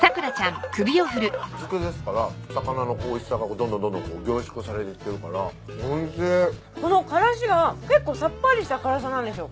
漬けですから魚のおいしさがどんどんどんどん凝縮されていってるからおいしいこのカラシが結構さっぱりした辛さなんですよ